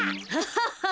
ハハハ！